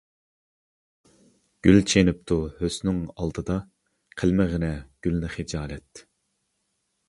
گۈل چېنىپتۇ ھۆسنۈڭ ئالدىدا، قىلمىغىنە گۈلنى خىجالەت.